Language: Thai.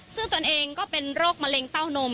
ซึ่งตนเองก็เป็นโรคมะเร็งเต้านม